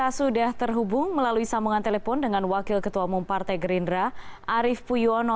dan kita sudah terhubung melalui sambungan telepon dengan wakil ketua umum partai gerindra arief puyono